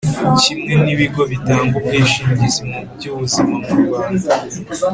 kimwe n’ibigo bitanga ubwishingizi mu by’ubuzima mu rwanda.